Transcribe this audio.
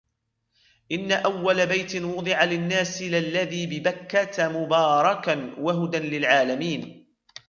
إِنَّ أَوَّلَ بَيْتٍ وُضِعَ لِلنَّاسِ لَلَّذِي بِبَكَّةَ مُبَارَكًا وَهُدًى لِلْعَالَمِينَ